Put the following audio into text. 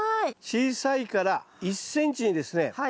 小さいから１ｃｍにですね